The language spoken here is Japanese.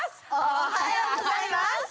おはようございます！